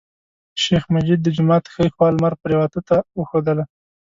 شیخ مجید د جومات ښی خوا لمر پریواته ته وښودله.